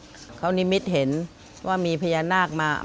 มีหลานชายคนหนึ่งเขาไปสื่อจากคำชโนธ